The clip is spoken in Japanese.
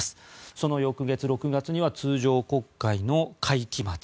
その翌月、６月には通常国会の会期末。